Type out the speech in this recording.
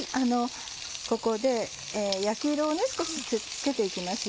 ここで焼き色を少しつけて行きますよ。